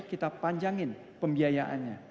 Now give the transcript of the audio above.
kita panjangin pembiayaannya